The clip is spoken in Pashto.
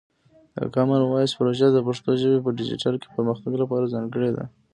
د کامن وایس پروژه د پښتو ژبې په ډیجیټل کې پرمختګ لپاره ځانګړې ده.